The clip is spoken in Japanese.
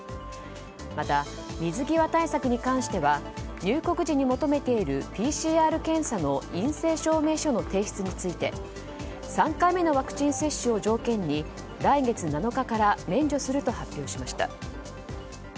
また、水際対策に関しては入国時に求めているＰＣＲ検査の陰性証明書の提出について３回目のワクチン接種を条件に来月７日から免除すると発表しました。